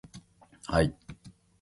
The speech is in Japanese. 愛